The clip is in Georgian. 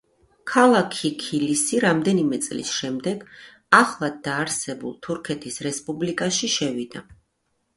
ქალაქი ქილისი რამდენიმე წლის შემდეგ ახლად დაარსებულ თურქეთის რესპუბლიკაში შევიდა.